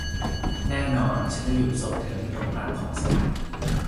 แน่นอน ฉันจะหยุดส่งเธอที่ตรงกลางของสถานี